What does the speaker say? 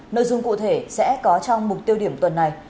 nội dung cụ thể sẽ có trong mục tiêu điểm tuần này